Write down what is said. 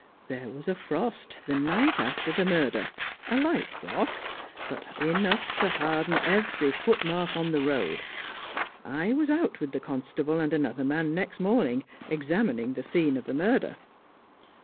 There was a frost the night after the murder— a light frost — but enough to harden every footmark on the road. I was out with the constable and another man next morning, examining the scene of the murder.